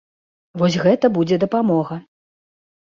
Вось гэта будзе дапамога.